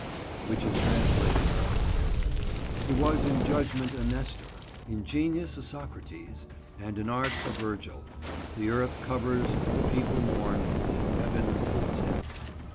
which is translated thus— "He was in judgment a Nestor, in genius a Socrates, and in art a Virgil; the earth covers, the people mourn, and heaven holds him."